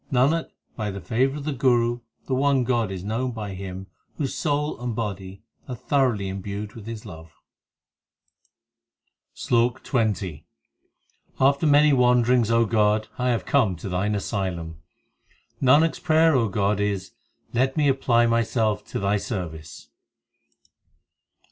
Nanak, by the favour of the Guru the one God is known by him Whose soul and body are thoroughly imbued with His love, SLOK XX After many wanderings, O God, I have come to Thine asylum ; Nanak s prayer, God, is Let me apply myself to Thy service.